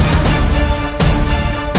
aku tidak pernah mengenalmu